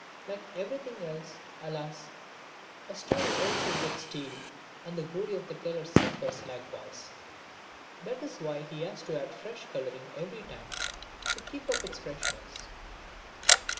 Like everything else, alas, a story also gets stale and the glory of the teller suffers likewise; that is why he has to add fresh colouring every time to keep up its freshness.